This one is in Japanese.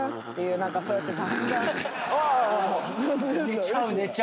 寝ちゃう。